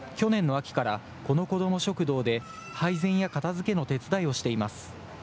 去年の秋から、この子ども食堂で配膳や片づけの手伝いをしています。